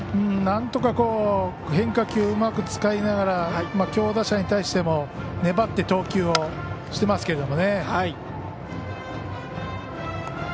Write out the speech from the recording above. なんとか変化球うまく使いながら強打者に対しても粘って投球をしていますけれども。